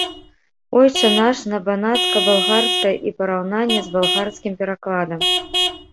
Ойча наш на банацка-балгарскай і параўнанне з балгарскім перакладам.